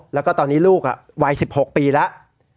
แล้วก็ตอนนี้ลูกวัย๑๖ปีแล้ว